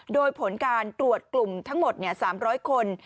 โดยผลการตรวจกลุ่มทั้งหมด๓๐๐คน